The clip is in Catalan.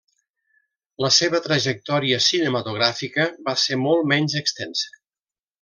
La seva trajectòria cinematogràfica va ser molt menys extensa.